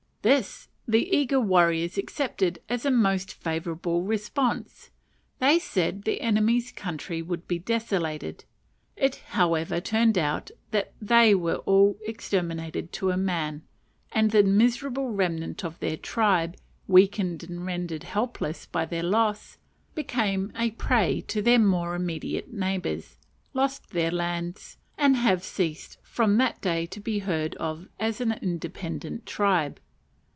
This the eager warriors accepted as a most favourable response: they said the enemy's country would be desolated. It, however, so turned out that they were all exterminated to a man; and the miserable remnant of their tribe, weakened and rendered helpless by their loss, became a prey to their more immediate neighbours, lost their lands, and have ceased from that day to be heard of as an independent tribe.